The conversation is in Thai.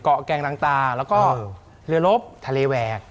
เกาะแกงดังตาแล้วก็เรือรบทะเลแวก